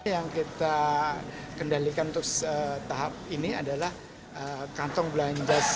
yang kita kendalikan untuk tahap ini adalah kantong belanja